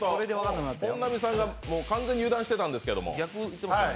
本並さんが完全に油断してたんですけども。